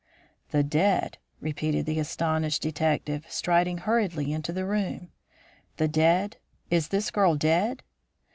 "The dead?" repeated the astonished detective, striding hurriedly into the room. "The dead? Is this girl dead?"